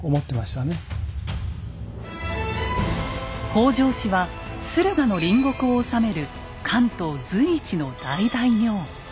北条氏は駿河の隣国を治める関東随一の大大名。